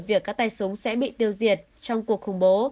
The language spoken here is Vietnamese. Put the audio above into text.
việc các tay súng sẽ bị tiêu diệt trong cuộc khủng bố